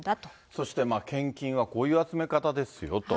そして献金はこういう集め方ですよと。